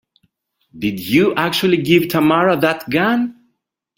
Did you actually give Tamara that gun?